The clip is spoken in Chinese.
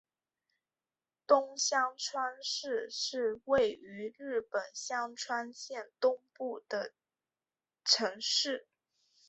东香川市是位于日本香川县东部的城市。